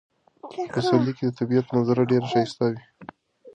په پسرلي کې د طبیعت منظره ډیره ښایسته وي.